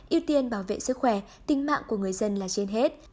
yêu tiên bảo vệ sức khỏe tính mạng của người dân là trên hết